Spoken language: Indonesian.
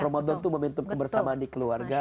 promethon tuh momentum kebersamaan di keluarga